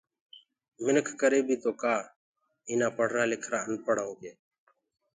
مِنک ڪري بيٚ تو ڪآ ايٚنآ پڙهرآ لکرآ انپهڙآئونٚ ڪي